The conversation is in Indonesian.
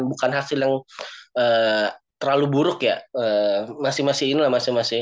bukan hasil yang terlalu buruk ya